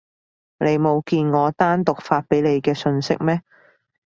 你冇見我單獨發畀你嘅訊息咩？